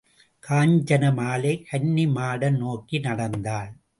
காஞ்சனமாலை கன்னிமாடம் நோக்கி நடந்தாள்.